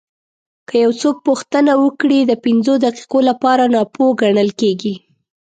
که یو څوک پوښتنه وکړي د پنځو دقیقو لپاره ناپوه ګڼل کېږي.